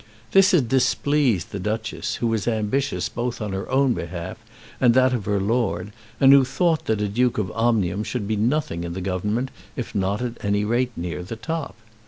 This had displeased the Duchess, who was ambitious both on her own behalf and that of her lord, and who thought that a Duke of Omnium should be nothing in the Government if not at any rate near the top.